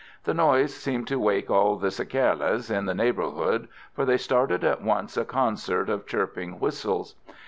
The noise seemed to wake all the cicalas in the neighbourhood, for they started at once a concert of chirping whistles.